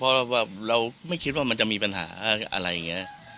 เพราะว่าเราไม่คิดว่ามันจะมีปัญหาอะไรอย่างนี้